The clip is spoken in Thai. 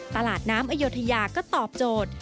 ตลาดน้ำอโยธยาก็ตอบโจทย์